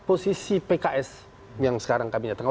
posisi pks yang sekarang kami nyatakan